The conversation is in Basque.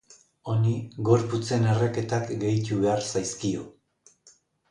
Honi gorputzen erreketak gehitu behar zaizkio.